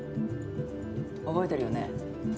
覚えてるよね？